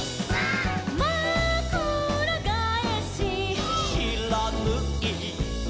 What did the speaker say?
「まくらがえし」「」「しらぬい」「」